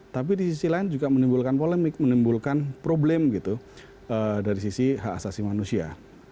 tapi di sisi lain juga menimbulkan polemik menimbulkan problem gitu dari sisi hak asasi manusia